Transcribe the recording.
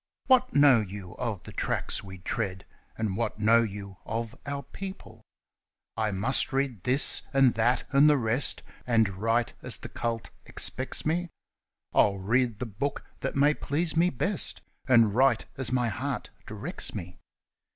What know you of the tracks we tread ? And what know you of our people 1 ' I must read this, and that, and the rest,' And write as the cult expects me ? I'll read the book that may please me best, And write as my heart directs me